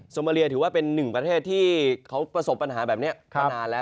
มาเลียถือว่าเป็นหนึ่งประเทศที่เขาประสบปัญหาแบบนี้มานานแล้ว